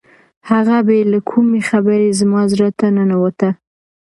هغه بې له کومې خبرې زما زړه ته ننوته.